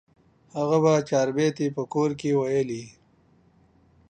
هغه به د چاربیتې په کور کې ویل.